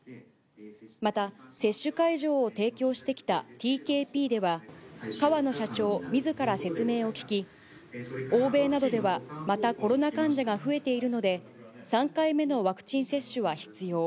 また接種会場を提供してきたティーケーピーでは、河野社長みずから説明を聞き、欧米などでは、またコロナ患者が増えているので、３回目のワクチン接種は必要。